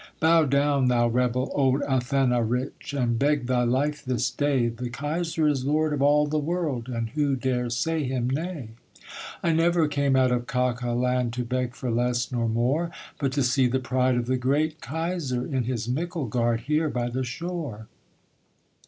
'Bow down, thou rebel, old Athanarich, And beg thy life this day; The Kaiser is lord of all the world, And who dare say him nay?' 'I never came out of Caucaland To beg for less nor more; But to see the pride of the great Kaiser, In his Micklegard here by the shore.